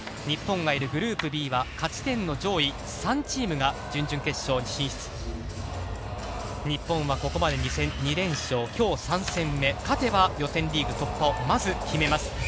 日本がいるグループＢは勝ち点上位３チームが準々決勝進出、日本がここまで２連勝、今日３戦目、勝てば予選リーグ突破をまず決めます。